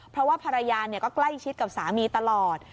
เพราะว่าภรรยาก็ใกล้ชิดกับสามีตลอด